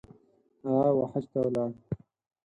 هغه ، وحج ته ولاړی